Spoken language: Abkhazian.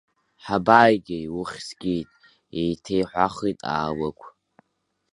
Ҳабааигеи, уххьзгеит, еиҭеиҳәахит Аалықә.